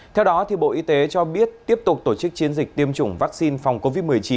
theo đó bộ y tế cho biết tiếp tục tổ chức chiến dịch tiêm chủng vaccine phòng covid một mươi chín